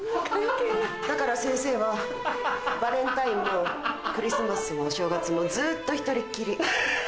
だから先生はバレンタインもクリスマスもお正月もずっと一人っきり。